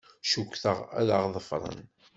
Cukkteɣ ad aɣ-ḍefren.